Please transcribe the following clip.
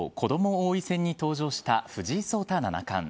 王位戦に登場した藤井聡太七冠。